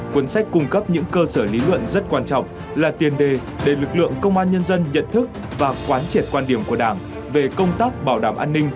cuốn sách cung cấp những cơ sở lý luận rất quan trọng là tiền đề để lực lượng công an nhân dân nhận thức và quán triệt quan điểm của đảng về công tác bảo đảm an ninh